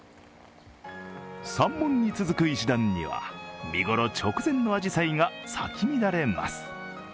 山門に続く石段には、見ごろ直前のあじさいが咲き乱れます。